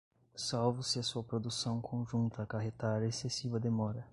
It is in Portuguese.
salvo se a sua produção conjunta acarretar excessiva demora